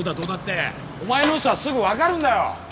お前の嘘はすぐ分かるんだよ！